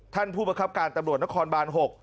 ท่านผู้ประคับการตำรวจนครบาน๖